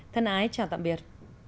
thân ái chào tạm biệt